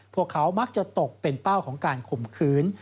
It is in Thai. พวกเขามักจะตกเป็นเป้าของการข่มขืน